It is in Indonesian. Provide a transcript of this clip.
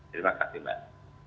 terima kasih mbak